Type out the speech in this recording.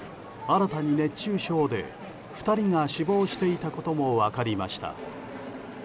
新たに熱中症で２人が死亡していたことも分かりました。